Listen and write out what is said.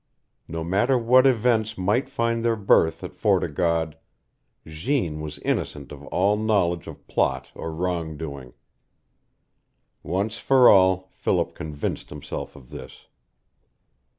No matter what events might find their birth at Fort o' God, Jeanne was innocent of all knowledge of plot or wrong doing. Once for all Philip convinced himself of this.